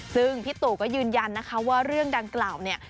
ซึ่งพี่ตู่ก็ยืนยันนะคะว่าเรื่องดังกล่าวเนี่ย